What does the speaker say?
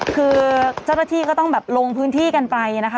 คือเจ้าหน้าที่ก็ต้องแบบลงพื้นที่กันไปนะคะ